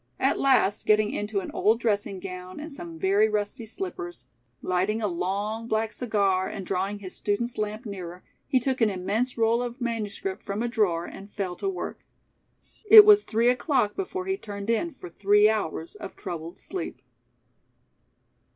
At last, getting into an old dressing gown and some very rusty slippers, lighting a long, black cigar and drawing his student's lamp nearer, he took an immense roll of manuscript from a drawer and fell to work. It was three o'clock before he turned in for three hours of troubled sleep.